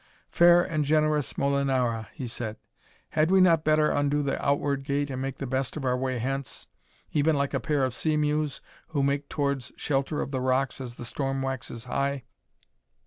"Fair and generous Molinara," he said, "had we not better undo the outward gate, and make the best of our way hence, even like a pair of sea mews who make towards shelter of the rocks as the storm waxes high?"